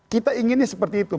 kita inginnya seperti itu